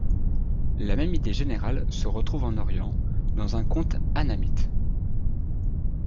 La même idée générale se retrouve en Orient, dans un conte annamite (A.